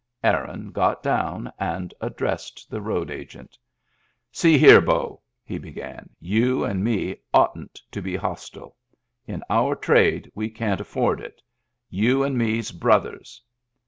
Aaron got down and addressed the road agent. "See here, beau," he began, "you and me oughtn't to be hostile. In our trade we can't afford it. You and me*s brothers."